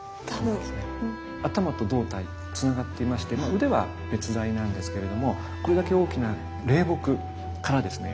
頭と胴体つながっていまして腕は別材なんですけれどもこれだけ大きな霊木からですね